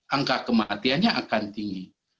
angka kematiannya akan tinggi